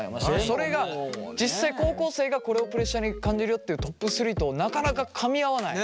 それが実際高校生がこれをプレッシャーに感じるよっていうトップ３となかなかかみ合わない。